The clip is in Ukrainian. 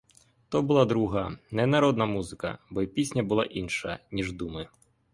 То була друга, не народна музика, бо й пісня була інша, ніж думи.